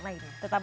nah ini ya